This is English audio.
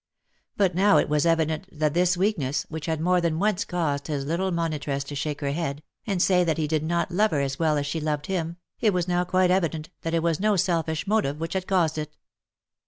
But now it was evident that this weakness, which had more than once caused his little monitress to shake her head, and say that he did not love her as well as she loved him, it was now quite evident that it was no selfish motive which had caused it.